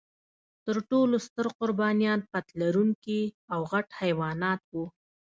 تر ټولو ستر قربانیان پت لرونکي او غټ حیوانات و.